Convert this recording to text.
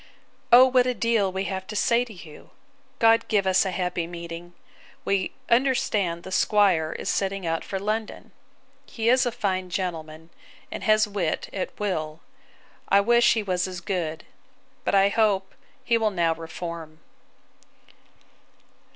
'O what a deal we have to say to you! God give us a happy meeting! We understand the 'squire is setting out for London. He is a fine gentleman, and has wit at will. I wish he was as good. But I hope he will now reform.